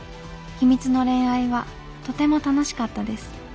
秘密の恋愛はとても楽しかったです。